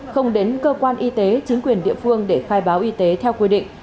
không đến cơ quan y tế chính quyền địa phương để khai báo y tế theo quy định